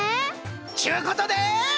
ちゅうことで。